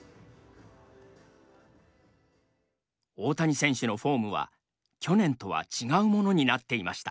大谷選手のフォームは去年とは違うものになっていました。